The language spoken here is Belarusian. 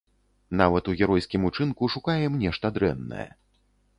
Нават у геройскім учынку шукаем нешта дрэннае.